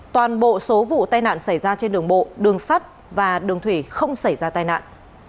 toàn bộ số vụ tai nạn xảy ra trên đường bộ đường sắt và đường thủy không xảy ra tai nạn